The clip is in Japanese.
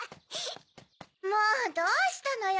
もうどうしたのよ？